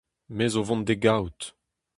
Me zo 'vont d'e gaout.